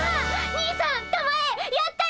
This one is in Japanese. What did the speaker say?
兄さんたまえやったよ！